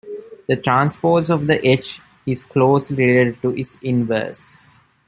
The transpose of "H" is closely related to its inverse.